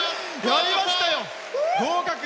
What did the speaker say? やりましたよ、合格。